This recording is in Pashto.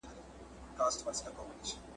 څه به وساتي ځالۍ د توتکیو ,